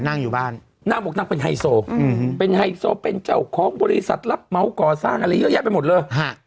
นั่งอยู่บ้านนางบอกนางเป็นไฮโซเป็นไฮโซเป็นเจ้าของบริษัทรับเหมาก่อสร้างอะไรเยอะแยะไปหมดเลย